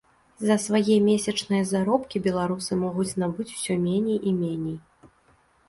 За свае месячныя заробкі беларусы могуць набыць усе меней і меней.